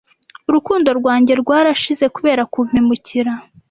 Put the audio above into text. Urukundo rwanjye rwarashize kubera kumpemukira